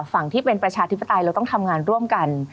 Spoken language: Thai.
ฝั่งที่เป็นประชาธิปไตยเราต้องทำงานร่วมกัน